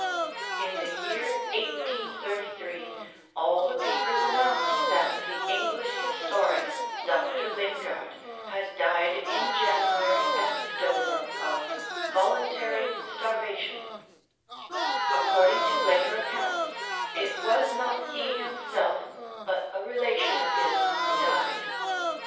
In the year 1833 all the papers announced that the English historian, Dr. Lingard, had died in January at Dover of voluntary starvation; according to later accounts, it was not he himself, but a relation of his who died.